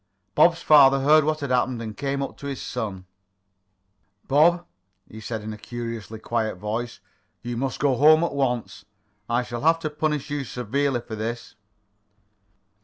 Bob's father heard what had happened, and came up to his son. "Bob," he said, in a curiously quiet voice, "you must go home at once. I shall have to punish you severely for this."